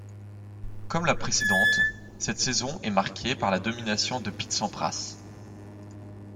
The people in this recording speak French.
Comme la précédente, cette saison est marquée par la domination de Pete Sampras.